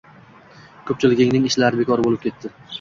Ko‘pchiligining ishlari bekor bo‘lib ketdi